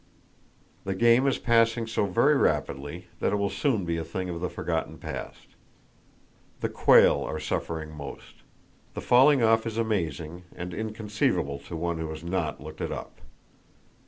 The game is passing so very rapidly that it will soon be a thing of the forgotten past. The quail are suffering most. The falling off is amazing, and inconceivable to one who has not looked it up.